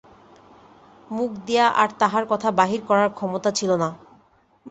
মুখ দিয়া আর তাহার কথা বাহির করার ক্ষমতা ছিল না।